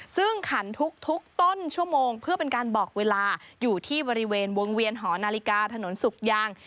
ซึ่งขันทุกต้นชั่วโมงเพื่อเป็นการบอกเวลาอยู่ที่บริเวณวงเวียนหอนาฬิกาถนนสุกยาง